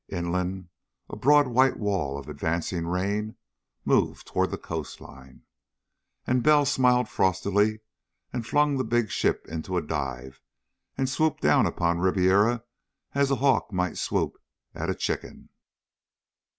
Inland a broad white wall of advancing rain moved toward the coastline. And Bell smiled frostily, and flung the big ship into a dive and swooped down upon Ribiera as a hawk might swoop at a chicken.